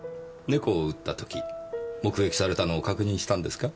猫を撃った時目撃されたのを確認したんですか？